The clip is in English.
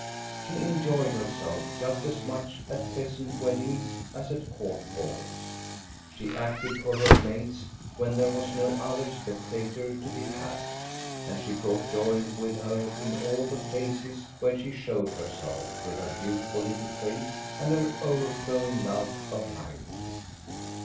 She enjoyed herself just as much at peasant weddings as at court balls. She acted for her maids when there was no other spectator to be had, and she brought joy with her in all the places where she showed herself, with her beautiful little face and her overflowing love of life.